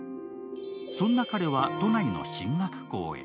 そんな彼は、都内の進学校へ。